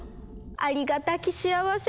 ありがたき幸せ。